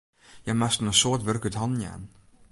Hja moast in soad wurk út hannen jaan.